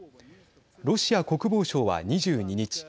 ロシア国防省は２２日